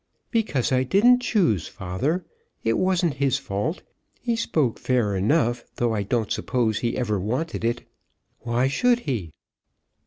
"Because I didn't choose, father. It wasn't his fault. He spoke fair enough, though I don't suppose he ever wanted it. Why should he?"